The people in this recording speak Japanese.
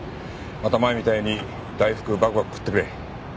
また前みたいに大福バクバク食ってくれ。